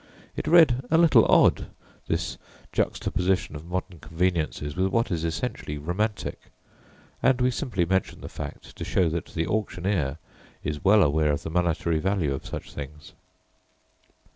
It read a little odd, this juxtaposition of modern conveniences with what is essentially romantic, and we simply mention the fact to show that the auctioneer is well aware of the monetary value of such things.